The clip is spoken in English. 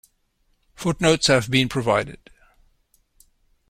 Footnotes have been provided.